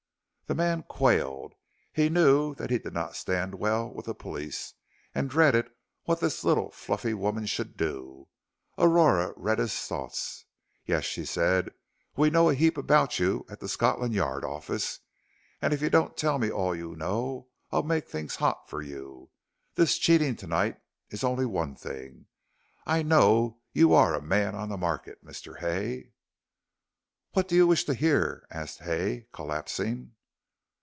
The man quailed. He knew that he did not stand well with the police and dreaded what this little fluffy woman should do. Aurora read his thoughts. "Yes," she said, "we know a heap about you at the Scotland Yard Office, and if you don't tell me all you know, I'll make things hot for you. This cheating to night is only one thing. I know you are 'a man on the market,' Mr. Hay." "What do you wish to hear?" asked Hay, collapsing.